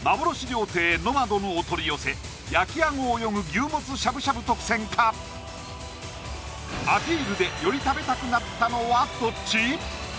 料亭乃馬杜のお取り寄せ焼きあご游ぐ牛もつしゃぶしゃぶ特選かアピールでより食べたくなったのはどっち？